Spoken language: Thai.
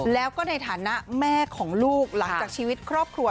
แล้วก็ในฐานะแม่ของลูกหลังจากชีวิตครอบครัว